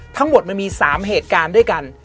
ทั้งหมดมันมี๓เหตุการณ์ด้วยกัน